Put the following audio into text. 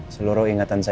seluruh ingatan saya